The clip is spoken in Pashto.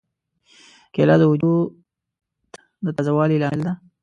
کېله د وجود د تازه والي لامل ده.